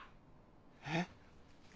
えっ？